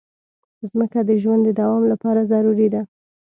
مځکه د ژوند د دوام لپاره ضروري ده.